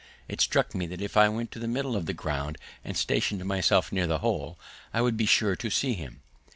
It struck me that if I went to the middle of the ground and stationed myself near the hole, I would be sure to see him.